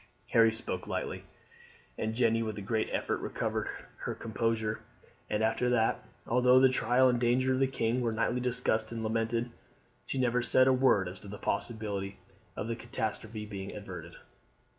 Harry spoke lightly, and Jeanne with a great effort recovered her composure; and after that, although the trial and danger of the king were nightly discussed and lamented, she never said a word as to any possibility of the catastrophe being averted.